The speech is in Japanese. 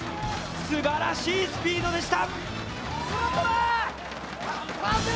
すばらしいスピードでした。